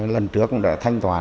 lần trước cũng đã thanh toán